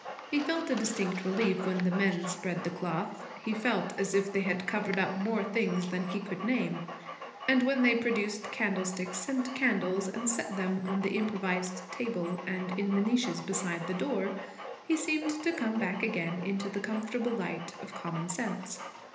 He felt a distinct relief when the men spread the cloth. He felt as if they had covered up more things than he could name. And when they produced candlesticks and candles, and set them on the improvised table and in the niches beside the door, he seemed to come back again into the comfortable light of common sense.